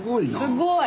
すごい。